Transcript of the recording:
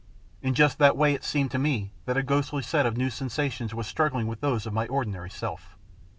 In just that way it seemed to me that a ghostly set of new sensations was struggling with those of my ordinary self.